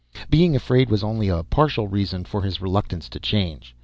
Being afraid was only a partial reason for his reluctance to change.